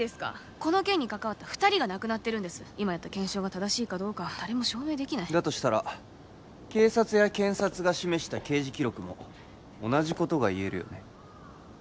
この件に関わった２人が亡くなってる今やった検証が正しいかは誰も証明できないだとしたら警察や検察が示した刑事記録も同じことが言えるよね？